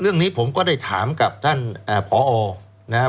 เรื่องนี้ผมก็ได้ถามกับท่านผอนะครับ